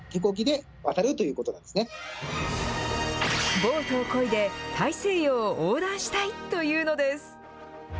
ボートをこいで、大西洋を横断したいというのです。